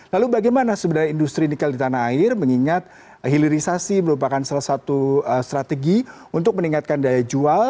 lalu bagaimana sebenarnya industri nikel di tanah air mengingat hilirisasi merupakan salah satu strategi untuk meningkatkan daya jual